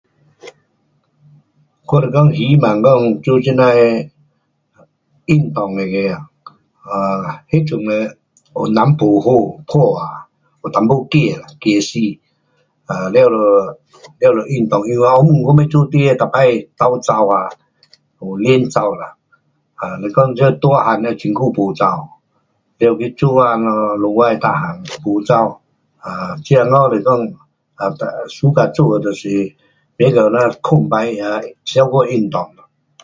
我是讲希望讲做这那的运动那个啊，[um]那阵啊有人不好看啊，有一点怕，怕死，了就做什么运动哪什么赛跑啊，有练跑啦。是讲这大个了很久没跑，得去做工咯，下尾每样没跑，听讲是讲suka做的就是，买了藏起来想讲运动。